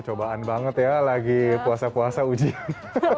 cobaan banget ya lagi puasa puasa ujian